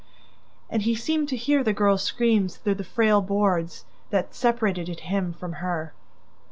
And he seemed to hear the girl's screams through the frail boards that separated him from her.